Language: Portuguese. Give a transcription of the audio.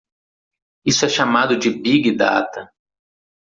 Isso é chamado de big data.